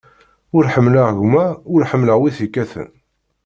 Ur ḥemmleɣ gma, ur ḥemmleɣ wi t-ikkaten.